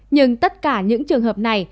nhưng tất cả những trường hợp này